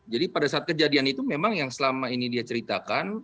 jadi pada saat kejadian itu memang yang selama ini dia ceritakan